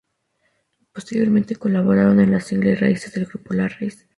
Posteriormente colaboraron en el single "Raíces" del grupo "La Raíz".